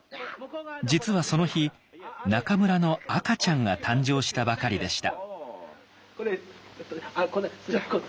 実はその日中村の赤ちゃんが誕生したばかりでした。